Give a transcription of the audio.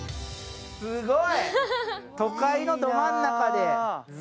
すごい、都会のど真ん中で。